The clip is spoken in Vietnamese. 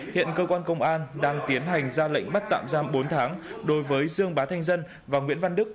hiện cơ quan công an đang tiến hành ra lệnh bắt tạm giam bốn tháng đối với dương bá thanh dân và nguyễn văn đức